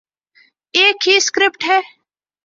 ایک ہی سکرپٹ ہے۔